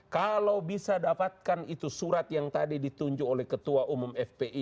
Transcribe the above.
kalau bisa dapatkan itu surat yang tadi ditunjuk oleh ketua umum fpi